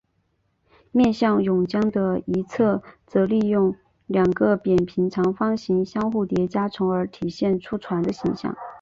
面向甬江的一侧则利用两个扁平长方形相互叠加从而体现出船的形象。